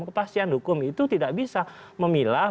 kepastian hukum itu tidak bisa memilah